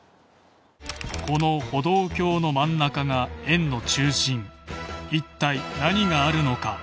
この歩道橋の真ん中が円の中心一体何があるのか？